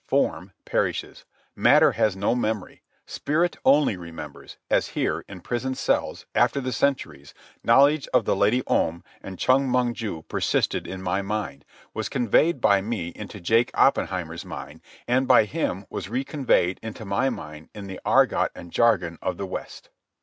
Form perishes. Matter has no memory. Spirit only remembers, as here, in prison cells, after the centuries, knowledge of the Lady Om and Chong Mong ju persisted in my mind, was conveyed by me into Jake Oppenheimer's mind, and by him was reconveyed into my mind in the argot and jargon of the West.